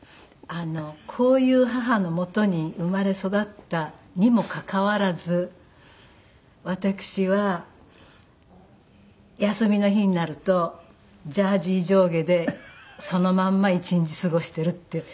あのこういう母のもとに生まれ育ったにもかかわらず私は休みの日になるとジャージー上下でそのまんま１日過ごしてるっていう。